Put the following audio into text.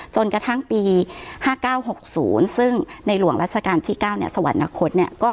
จนกระทั่งปี๕๙๖๐ซึ่งในหลวงราชการที่๙เนี่ยสวรรค์นาคตเนี่ย